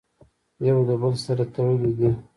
يو د بل سره تړلي دي!!.